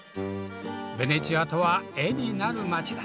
ベネチアとは絵になる街だ。